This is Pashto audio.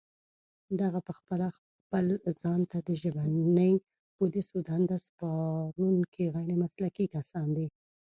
دغه پخپله خپل ځان ته د ژبني پوليسو دنده سپارونکي غير مسلکي کسان دي